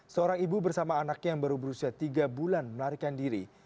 seorang ibu bersama anaknya yang baru berusia tiga bulan melarikan diri